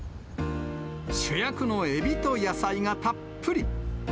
主役のエビと野菜がたっぷり。